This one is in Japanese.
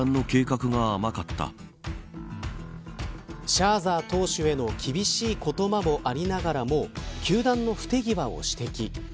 シャーザー投手への厳しい言葉もありながらも球団の不手際を指摘。